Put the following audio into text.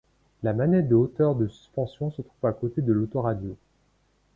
La manette de hauteur de suspension se trouve à côté de l'auto radio.